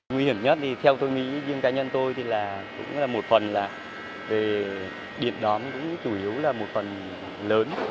nguy hiểm nhất thì theo tôi nghĩ nhưng cá nhân tôi thì là cũng là một phần là về điện đó cũng chủ yếu là một phần lớn